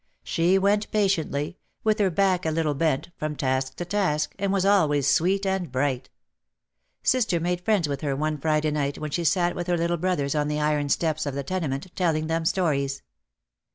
She went patiently, with her back a little bent, from task to task and was always sweet and bright. Sister made friends with her one Friday night when she sat with her little brothers on the iron steps of the tenement, telling them stories.